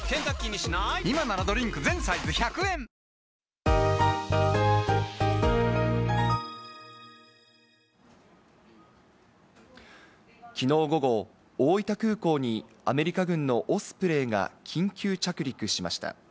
俺がこの役だったのにきのう午後、大分空港にアメリカ軍のオスプレイが緊急着陸しました。